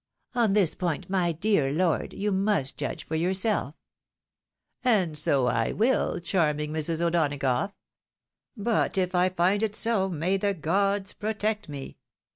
On this point, my dear lord, you must judge for yourseK." " And so I wiU, charming Mrs. O'Donagough. But if I find it so, may the gods protect me